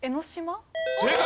正解！